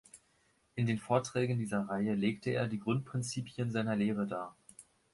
In den Vorträgen dieser Reihe legte er die Grundprinzipien seiner Lehre dar.